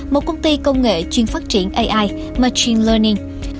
một công ty công nghệ chuyên phát triển ai machine learning